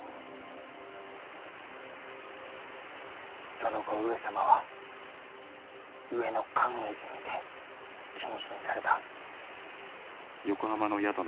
その後上様は上野寛永寺にて謹慎された。